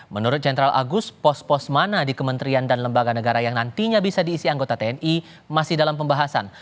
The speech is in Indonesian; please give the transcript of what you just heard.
menurut jenderal agus pos pos mana di kementerian dan lembaga negara yang nantinya bisa diisi anggota tni masih dalam pembahasan